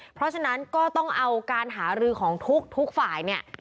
เพราะฉะนั้นก็ต้องเอาการหารือของทุกฝ่ายเนี่ย